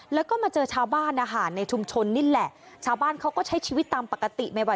แล้วก็มาเจอชาวบ้านนะคะในชุมชนนี่แหละชาวบ้านเขาก็ใช้ชีวิตตามปกติไม่ไหว